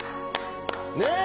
ねえ？